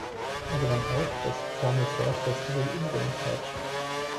Er gewann auch das Formel-Ford-Festival in Brands Hatch.